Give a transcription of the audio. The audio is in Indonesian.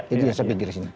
itu yang saya pikirkan